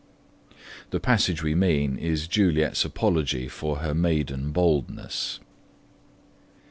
The passage we mean is Juliet's apology for her maiden boldness.